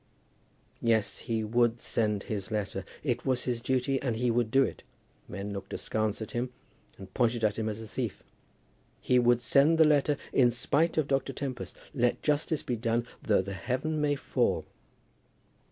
Yes; he would send his letter. It was his duty, and he would do it. Men looked askance at him, and pointed at him as a thief. He would send the letter, in spite of Dr. Tempest. Let justice be done, though the heaven may fall.